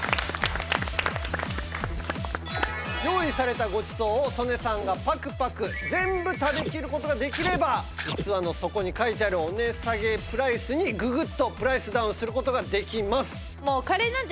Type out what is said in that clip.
用意されたごちそうを曽根さんがパクパク全部食べきる事ができれば器の底に書いてあるお値下げプライスにググッとプライスダウンする事ができます。